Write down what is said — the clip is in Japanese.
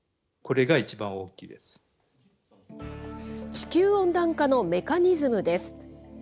地球温暖化のメカニズムです。